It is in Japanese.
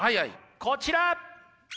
こちら！